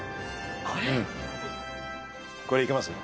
これでいけます？